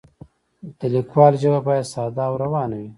د لیکوال ژبه باید ساده او روانه وي.